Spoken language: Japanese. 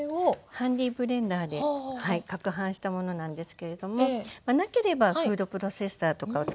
ハンドブレンダーでかくはんしたものなんですけれどもなければフードプロセッサーとかを使って頂いて。